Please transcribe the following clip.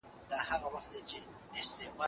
که فرش وي نو یخ نه لګیږي.